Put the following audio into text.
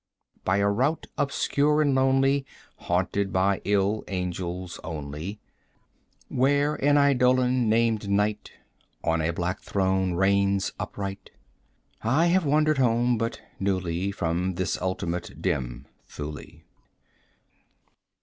50 By a route obscure and lonely, Haunted by ill angels only, Where an Eidolon, named Night, On a black throne reigns upright, I have wandered home but newly 55 From this ultimate dim Thule.